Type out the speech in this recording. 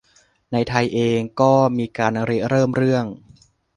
ในไทยเองก็มีการริเริ่มเรื่อง